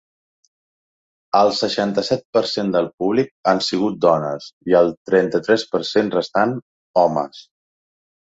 El seixanta-set per cent del públic han sigut dones, i el trenta-tres per cent restant, homes.